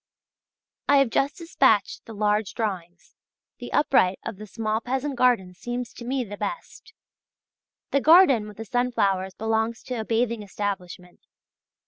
I have just dispatched the large drawings: the upright of the small peasant garden seems to me the best. The garden with the sunflowers belongs to a bathing establishment.